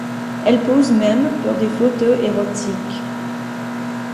Elle pose même pour des photos érotiques.